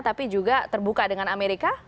tapi juga terbuka dengan amerika